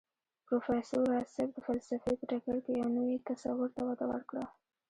پروفېسر راز صيب د فلسفې په ډګر کې يو نوي تصور ته وده ورکړه